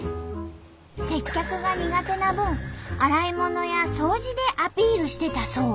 接客が苦手な分洗い物や掃除でアピールしてたそう。